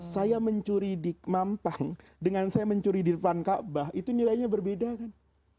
saya mencuri di mampang dengan saya mencuri di depan kaabah itu nilainya berbeda kan